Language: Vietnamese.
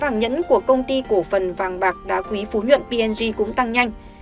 giá vàng nhẫn của công ty cổ phần vàng bạc đá quý phú nhuận p g cũng tăng nhanh